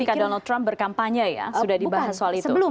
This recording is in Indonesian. ketika donald trump berkampanye ya sudah dibahas soal itu